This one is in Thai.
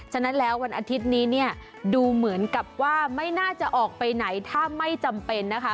ฉะนั้นแล้ววันอาทิตย์นี้เนี่ยดูเหมือนกับว่าไม่น่าจะออกไปไหนถ้าไม่จำเป็นนะคะ